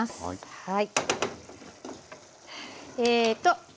はい。